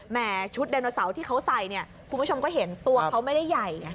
ชุดไดโนเสาร์ที่เขาใส่เนี่ยคุณผู้ชมก็เห็นตัวเขาไม่ได้ใหญ่ไง